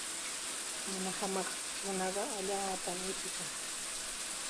Mana hamaq nunaqa allaapam utikan.